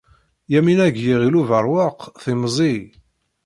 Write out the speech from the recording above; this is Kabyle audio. Yamina n Yiɣil Ubeṛwaq timẓiy.